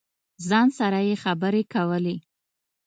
ځان سره یې خبرې کولې.